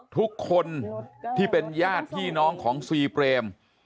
ทุกคนที่เป็นญาติพี่น้องของซีเปรม